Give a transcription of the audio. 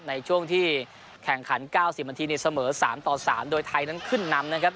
ในช่วงที่แข่งขัน๙๐นาทีเสมอ๓ต่อ๓โดยไทยนั้นขึ้นนำนะครับ